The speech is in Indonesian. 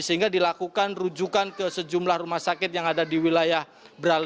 sehingga dilakukan rujukan ke sejumlah rumah sakit yang ada di wilayah bral